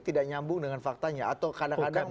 tidak nyambung dengan faktanya atau kadang kadang